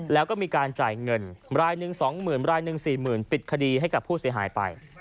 แล้วก็มีการจ่ายเงินรายหนึ่ง๒๐๐๐รายหนึ่ง๔๐๐๐ปิดคดีให้กับผู้เสียหายไป